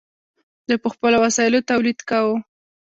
دوی په خپلو وسایلو تولید کاوه.